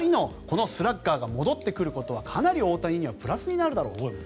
この２人のスラッガーが戻ってくることはかなり大谷にはプラスになるだろうと。